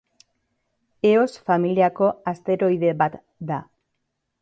Eos familiako asteroide bat da.